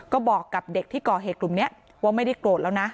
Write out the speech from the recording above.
ก็บอกกับเด็กที่ก่อเหตุกลุ่มนี้ว่าไม่ได้โกรธแล้วนะ